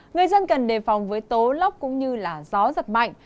người dân cần đề phòng với tố lốc cũng như gió giật mạnh